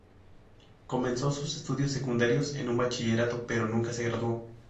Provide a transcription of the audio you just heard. Comenzó sus estudios secundarios en un bachillerato, pero nunca se graduó.